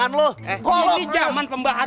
ini yang benar